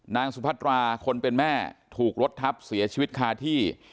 นางสุพัตราคนเป็นแม่ถูกรถทับเสียชีวิตคาที่